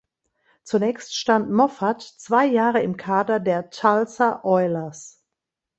Zunächst stand Moffat zwei Jahre im Kader der Tulsa Oilers.